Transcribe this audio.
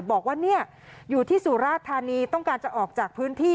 บอกว่าเนี่ยอยู่ที่สุราธานีต้องการจะออกจากพื้นที่